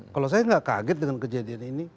kalau saya nggak kaget dengan kejadian ini